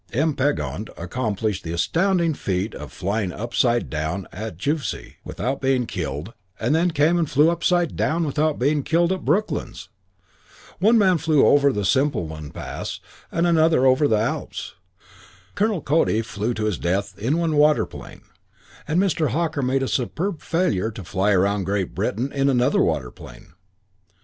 M. Pegond accomplished the astounding feat of flying upside down at Juvisy without being killed and then came and flew upside down without being killed at Brooklands. One man flew over the Simplon Pass and another over the Alps. Colonel Cody flew to his death in one waterplane, and Mr. Hawker made a superb failure to fly around Great Britain in another waterplane.